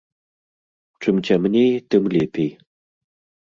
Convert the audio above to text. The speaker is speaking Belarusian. Чым цямней, тым лепей.